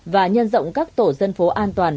và nhân rộng các tổ dân phố an toàn